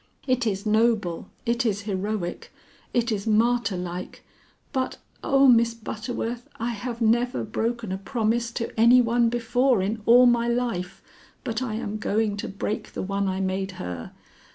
It is noble, it is heroic, it is martyr like, but oh! Miss Butterworth, I have never broken a promise to any one before in all my life, but I am going to break the one I made her.